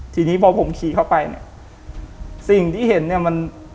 ทีนี้พอผมขี่เข้าไปเนี่ยสิ่งที่เห็นเนี่ยมัน